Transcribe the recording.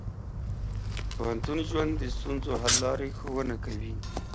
د پوهنتون ژوند د ستونزو حل لارې ښوونه کوي.